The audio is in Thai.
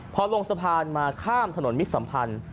พอลงสะพานมาข้ามถนนมิตรสัมพันธ์